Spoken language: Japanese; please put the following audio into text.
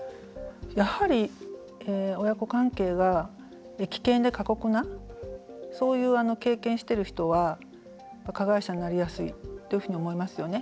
やはり親子関係が危険で過酷なそういう経験している人は加害者になりやすいというふうに思いますよね。